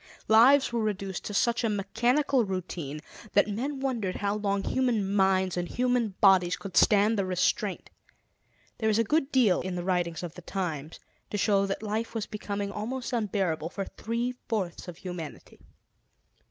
Lives were reduced to such a mechanical routine that men wondered how long human minds and human bodies could stand the restraint. There is a good deal in the writings of the times to show that life was becoming almost unbearable for three fourths of humanity.